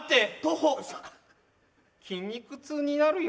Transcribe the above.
筋肉痛になるよ。